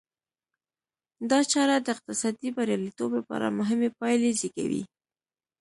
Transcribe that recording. دا چاره د اقتصادي بریالیتوب لپاره مهمې پایلې زېږوي.